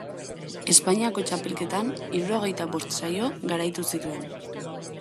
Espainiako Txapelketan, hirurogeita bost saio garaitu zituen.